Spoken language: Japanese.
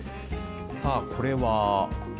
さあ、これは。